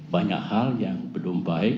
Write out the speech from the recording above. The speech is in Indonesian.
banyak hal yang belum baik